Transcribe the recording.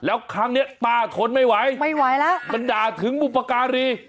แล้วครั้งเนี้ยป้าทนไม่ไหวไม่ไหวแล้วมันด่าถึงบุปการี